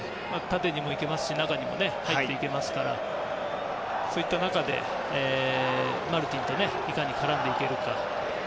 縦にも行けますし中にも入り切れますからその中でマルティンといかに絡んでいけるか。